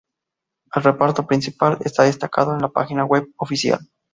El reparto principal está destacado en la página web oficial.